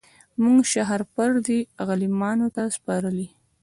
موږ شهپر دی غلیمانو ته سپارلی